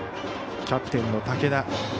キャプテンの武田。